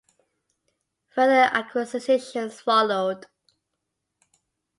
Further acquisitions followed.